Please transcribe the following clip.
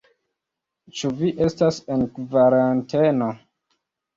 Ĉu vi estas en kvaranteno?